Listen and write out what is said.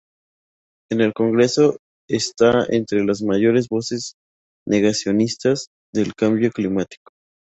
En el Congreso está entre las mayores voces negacionistas del cambio climático.